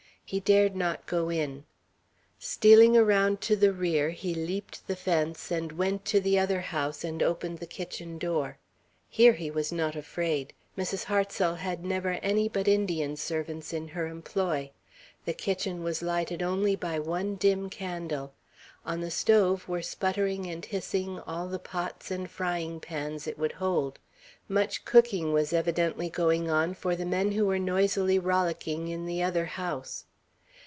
He dared not go in. Stealing around to the rear, he leaped the fence, and went to the other house and opened the kitchen door. Here he was not afraid. Mrs. Hartsel had never any but Indian servants in her employ. The kitchen was lighted only by one dim candle. On the stove were sputtering and hissing all the pots and frying pans it would hold. Much cooking was evidently going on for the men who were noisily rollicking in the other house.